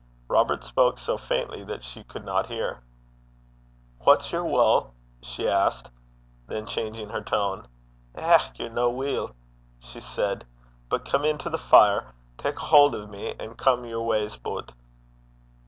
Robert spoke so faintly that she could not hear. 'What's yer wull?' she asked; then, changing her tone, 'Eh! ye're no weel,' she said. 'Come in to the fire. Tak a haud o' me, and come yer wa's butt.'